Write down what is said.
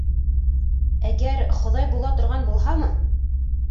Әгәр хоҙай була торған булһамы!..